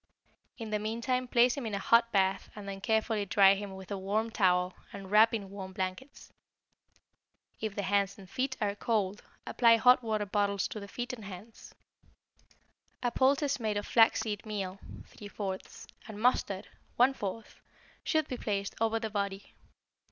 In the meantime place him in a hot bath and then carefully dry him with a warm towel and wrap in warm blankets. If the hands and feet are cold, apply hot water bottles to the feet and hands. A poultice made of flaxseed meal (3/4) and mustard (1/4) should be placed over the body.